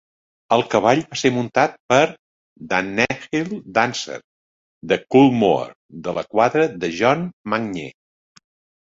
El cavall va ser muntat per "Danehill Dancer" de Coolmore, de la quadra de John Magnier.